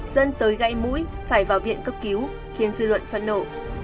dẫn tới gãy mũi phải vào viện cấp cứu khiến dư luận phẫn nộ